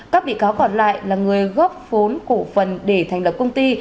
các bị cáo còn lại là người góp phốn cổ phần để thành lập công ty